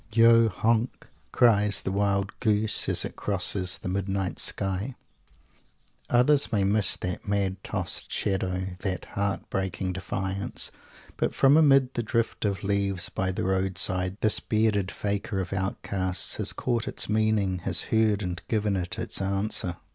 "Yo honk!" cries the wild goose, as it crosses the midnight sky. Others may miss that mad tossed shadow, that heartbreaking defiance but from amid the drift of leaves by the roadside, this bearded Fakir of Outcasts has caught its meaning; has heard, and given it its answer.